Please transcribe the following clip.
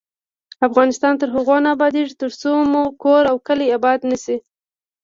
افغانستان تر هغو نه ابادیږي، ترڅو مو کور او کلی اباد نشي.